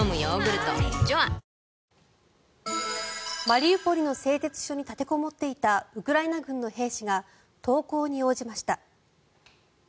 マリウポリの製鉄所に立てこもっていたウクライナ軍の兵士が投降に応じました。